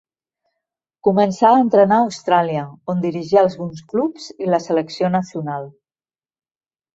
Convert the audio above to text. Començà a entrenar a Austràlia, on dirigí alguns clubs i la selecció nacional.